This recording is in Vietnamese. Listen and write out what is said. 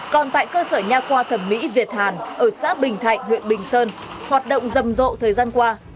còn tại cơ sở nhà khoa thẩm mỹ việt hàn ở xã bình thạnh huyện bình sơn hoạt động rầm rộ thời gian qua